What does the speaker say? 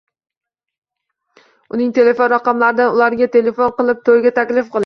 Uning telefon raqamlaridan ularga telefon qilib toʻyga taklif qiling.